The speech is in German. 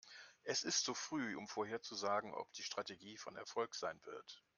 Es ist zu früh, um vorherzusagen, ob die Strategie von Erfolg sein wird.